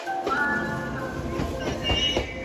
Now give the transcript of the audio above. چي خپل خوب ته مي تعبیر جوړ کړ ته نه وې